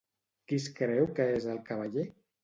Qui es creu que és el cavaller?